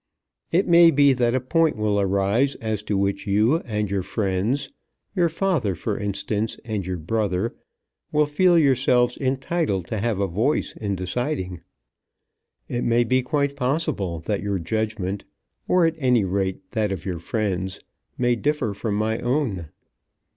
It may be that a point will arise as to which you and your friends, your father, for instance, and your brother, will feel yourselves entitled to have a voice in deciding. It may be quite possible that your judgment, or, at any rate, that of your friends, may differ from my own.